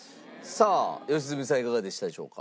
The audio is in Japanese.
さあ良純さんいかがでしたでしょうか？